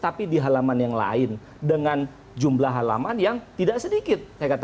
tapi kalau kita lihat saya katakan tadi di depan